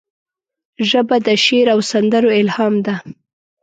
ژبه د شعر او سندرو الهام ده